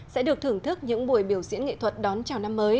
sẽ được thưởng thức những buổi biểu diễn nghệ thuật đón chào năm mới